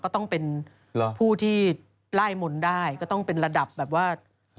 ก็ต้องเป็นผู้ที่ไล่มนต์ได้ก็ต้องเป็นระดับแบบว่า